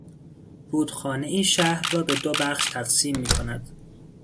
رودخانهای شهر را به دو بخش تقسیم میکند.